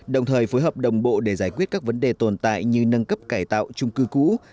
đồng thời phối hợp đồng bộ để giải quyết các vấn đề tồn tại như nâng cấp cải tạo trung cư cũ